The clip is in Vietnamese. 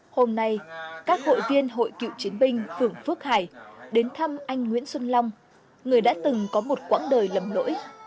hôm nay các hội viên hội cựu chiến binh phường phước hải đến thăm anh nguyễn xuân long người đã từng có một quãng đời lầm lỗi